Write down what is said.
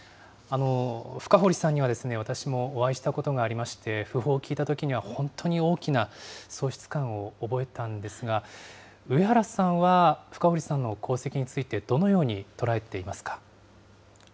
深堀さんには、私もお会いしたことがありまして、訃報を聞いたときには本当に大きな喪失感を覚えたんですが、上原さんは深堀さんの功績についてどのように捉えていますか。